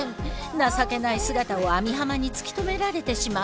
情けない姿を網浜に突き止められてしまう。